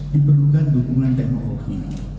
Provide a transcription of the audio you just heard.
diperlukan dukungan teknologi